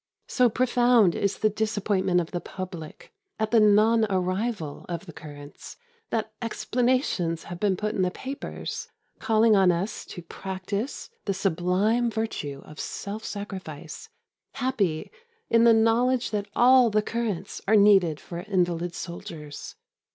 So profound is the disappointment of the public at the non arrival of the currants that explanations have been put in the papers, calling on us to practise the sublime virtue of self sacrifice, happy in the knowledge that all the currants are needed for invalid soldiers.